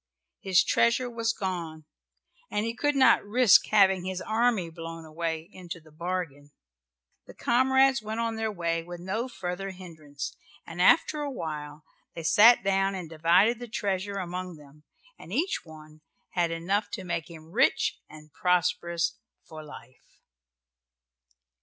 His treasure was gone and he could not risk having his army blown away, into the bargain. The comrades went on their way with no further hindrance, and after awhile they sat down and divided the treasure among them and each one had enough to make him rich and prosperous for life.